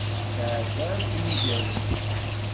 Tɛedda akken igerrez.